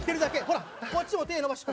ほらこっちも手伸ばして。